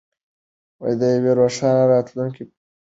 د یوې روښانه راتلونکې په لور.